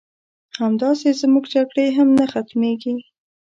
همداسې زمونږ جګړې هم نه ختميږي